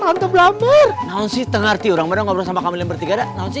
tante blamber naunsy tengerti orangnya ngobrol sama kami yang bertiga